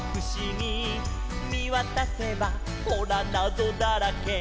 「みわたせばほらなぞだらけ」